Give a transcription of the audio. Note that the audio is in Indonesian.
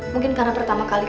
mungkin karena pertama kali